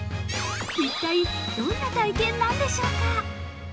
一体、どんな体験なんでしょうか？